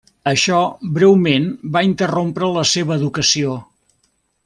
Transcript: Això breument va interrompre la seva educació.